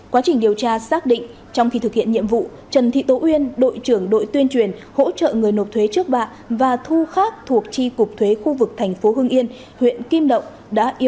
quá trình điều tra xác định trong khi thực hiện nhiệm vụ trần thị tố uyên đội trưởng đội tuyên truyền hỗ trợ người nộp thuế trước bạ và thu khác thuộc chi cục thuế khu vực thành phố hưng yên huyện kim động đã yêu cầu nhận tiền trái quy định